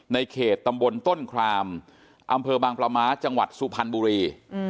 ในเขตตำบลต้นครามอำเภอบางปลาม้าจังหวัดสุพรรณบุรี